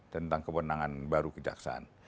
tentang kewenangan baru kejaksaan